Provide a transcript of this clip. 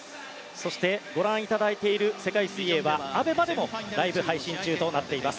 そして、ご覧いただいている世界水泳はＡＢＥＭＡでもライブ配信中となっています。